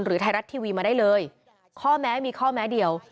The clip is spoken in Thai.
ไทยรัฐทีวีมาได้เลยข้อแม้มีข้อแม้เดียว